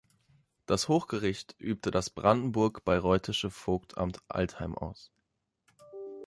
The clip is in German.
Das Hochgericht übte das brandenburg-bayreuthische Vogtamt Altheim aus.